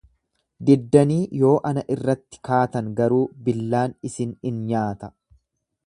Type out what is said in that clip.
Diddanii yoo ana irratti kaatan garuu, billaan isin in nyaata.